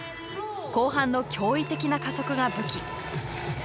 後半の驚異的な加速が武器。